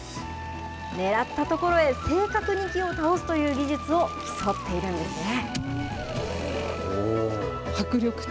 狙った所へ正確に木を倒すという技術を競っているんですね。